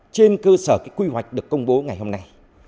trên cơ sở cái quy hoạch được công bố ngày hôm nay